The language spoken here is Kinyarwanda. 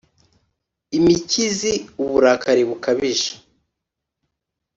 imikizi: uburakari bukabije